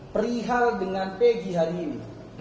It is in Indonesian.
perihal dengan pegi hari ini